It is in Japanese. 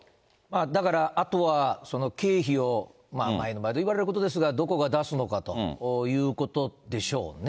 だから、あとはその経費を、毎度毎度言われることですが、どこが出すのかということでしょうね。